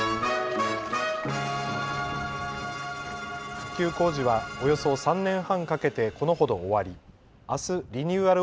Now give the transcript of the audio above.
復旧工事はおよそ３年半かけてこのほど終わり、あすリニューアル